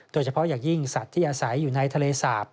โดยเฉพาะอย่างยิ่งสัตว์ที่อาศัยอยู่ในทะเลสาป